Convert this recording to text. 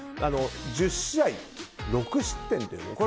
１０試合６失点と。